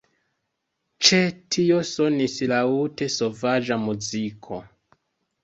Ĉe tio sonis laŭte sovaĝa muziko.